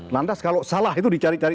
lantas kalau salah itu dicari cari